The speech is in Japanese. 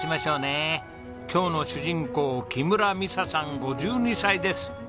今日の主人公木村美砂さん５２歳です。